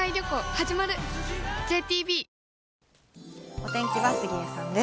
お天気は杉江さんです。